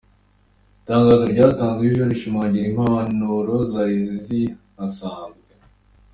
Itangazo ryatanzwe ejo rirashimangira impanuro zari zihasanzwe.